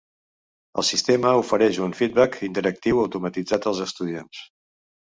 El sistema ofereix un feedback interactiu automatitzat als estudiants.